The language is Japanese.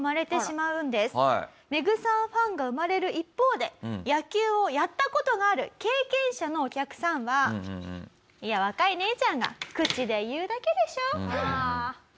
メグさんファンが生まれる一方で野球をやった事がある経験者のお客さんは「いや若い姉ちゃんが口で言うだけでしょ？」。